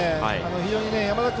非常に山田君